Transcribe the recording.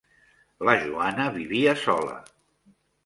La Joana vivia sola.